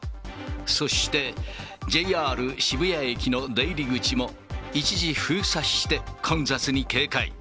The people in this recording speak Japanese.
そして、ＪＲ渋谷駅の出入り口も、一時封鎖して混雑に警戒。